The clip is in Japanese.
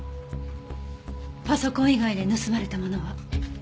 パソコン以外で盗まれたものは？